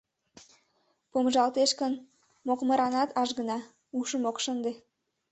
Помыжалтеш гын, мокмыранат ажгына, ушым ок шынде...